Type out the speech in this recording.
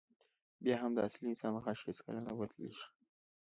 بیا هم د اصلي انسان غږ هېڅکله نه بدلېږي.